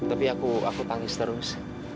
tapi aku aku pangis terus